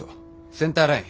センターライン。